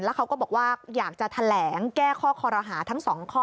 เขาก็บอกว่าอยากจะแถลงแก้ข้อคอรหาทั้งสองข้อ